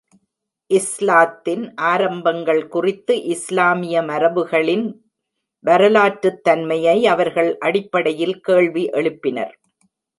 இஸ்லாத்தின் ஆரம்பங்கள் குறித்து இஸ்லாமிய மரபுகளின் வரலாற்றுத்தன்மையை அவர்கள் அடிப்படையில் கேள்வி எழுப்பினர்.